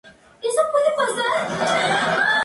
Su nombre es una combinación de turrón y chocolate.